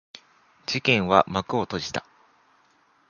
事件は幕を閉じた。